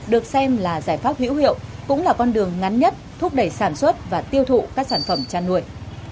được xem là giải pháp hữu hiệu cũng là con đường ngắn nhất thúc đẩy sản xuất và tiêu thụ các sản phẩm chăn nuôi